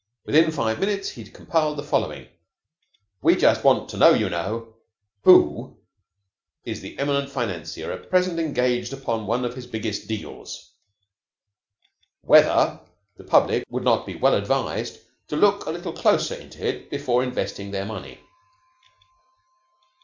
Within five minutes he had compiled the following WE JUST WANT TO KNOW, YOU KNOW WHO is the eminent financier at present engaged upon one of his biggest deals? WHETHER the public would not be well advised to look a little closer into it before investing their money?